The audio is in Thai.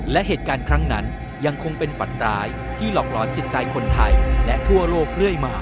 และเหตุการณ์ครั้งนั้นยังคงเป็นฝันร้ายที่หลอกร้อนจิตใจคนไทยและทั่วโลกเรื่อยมา